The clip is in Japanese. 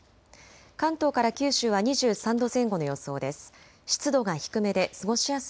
関東から九州は２３度前後の予想です。